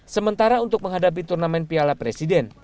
sementara untuk menghadapi turnamen piala presiden